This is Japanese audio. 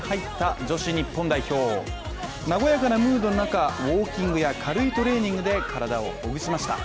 和やかなムードの中、ウオーキングや軽いトレーニングで体をほぐしました。